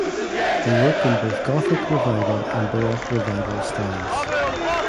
He worked in both Gothic Revival and Baroque Revival styles.